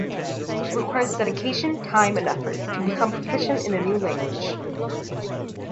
It requires dedication, time, and effort to become proficient in a new language.